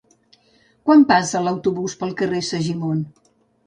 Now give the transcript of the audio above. Quan passa l'autobús pel carrer Segimon?